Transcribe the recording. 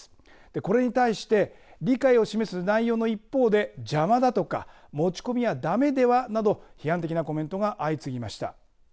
これに対して理解を示す内容の一方で邪魔だとか、持ち込みは駄目ではなど批判的なコメントが相次ぎました。